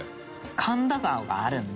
神田川があるので。